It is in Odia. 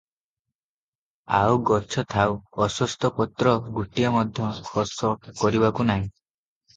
ଆଉ ଗଛ ଥାଉ, ଅଶ୍ୱତ୍ଥପତ୍ର ଗୋଟିଏ ମଧ୍ୟ ଖସ କରିବାକୁ ନାହିଁ ।